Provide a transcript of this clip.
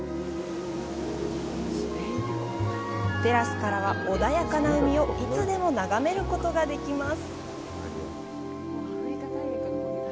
テラスからは穏やかな海をいつでも眺めることができます。